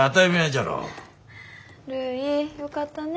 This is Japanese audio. よかったね。